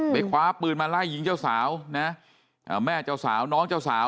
คว้าปืนมาไล่ยิงเจ้าสาวนะแม่เจ้าสาวน้องเจ้าสาว